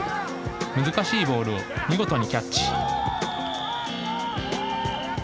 難しいボールを見事にキャッチ。